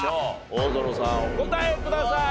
お答えください。